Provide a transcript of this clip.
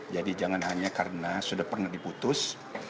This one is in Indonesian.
jadi jangan hanya karena sudah pernah diputus